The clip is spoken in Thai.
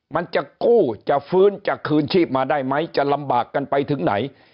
มันจะกู้จะฟื้นจะคืนชีพมาได้ไหมจะลำบากกันไปถึงไหน